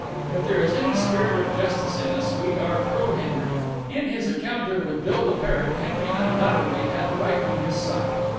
If there is any spirit of justice in us, we are pro Henry. In his encounter with Bill the parrot, Henry undoubtedly had right on his side.